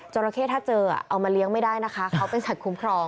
ราเข้ถ้าเจอเอามาเลี้ยงไม่ได้นะคะเขาเป็นสัตวคุ้มครอง